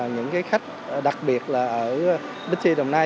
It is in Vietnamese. những khách đặc biệt là ở bixi đồng nai